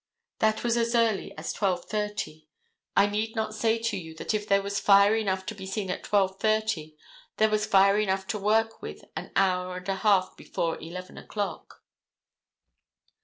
That was as early as 12:30. I need not say to you that if there was fire enough to be seen at 12:30 there was fire enough to work with an hour and a half before 11 o'clock.